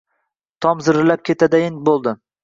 Tom zirillab ketgandayin bo‘ldi.